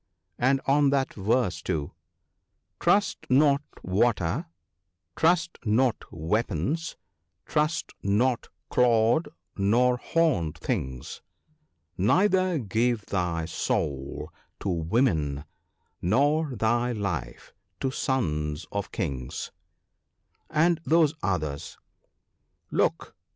And on that verse, too —" Trust not water, trust not weapons ; trust not clawed nor horned things ; Neither give thy soul to women, nor thy life to Sons of Kings ( ,T )." And those others — 1 Look